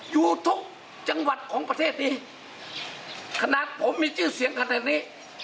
อยู่ทุกจังหวัดของประเทศนี้ขนาดผมมีชื่อเสียงขนาดนี้